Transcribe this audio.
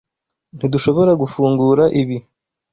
Ntidushobora gufungura ibi.